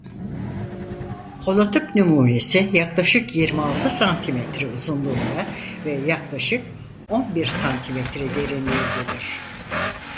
Holotip numunesi yaklaşık yirmi altı santimetre uzunluğunda ve yaklaşık on bir santimetre derinliğindedir.